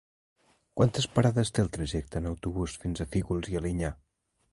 Quantes parades té el trajecte en autobús fins a Fígols i Alinyà?